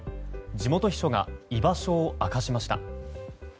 地元秘書が居場所を明かしました。